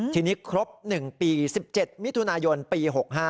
ทีนี้ครบ๑ปี๑๗มิถุนายนปี๖๕